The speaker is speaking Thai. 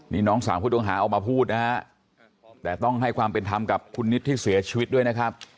นี่น้องสาวผู้ต้องหาออกมาพูดนะฮะแต่ต้องให้ความเป็นธรรมกับคุณนิดที่เสียชีวิตด้วยนะครับ